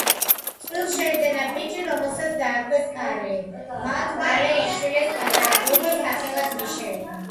წყვილს შეეძინა ბიჭი, რომელსაც დაარქვეს კარლი, მათ მალე იშვილეს პატარა გოგო, სახელად მიშელი.